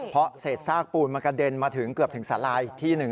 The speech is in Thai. เพราะเศษซากปูนมันกระเด็นมาถึงเกือบถึงสาราอีกที่หนึ่ง